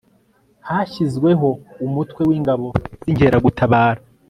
hashyizweho umutwe w' ingabo z' inkeragutabara